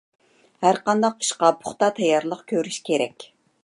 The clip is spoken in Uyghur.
ھەرقانداق ئىشقا پۇختا تەييارلىق كۆرۈش كېرەك.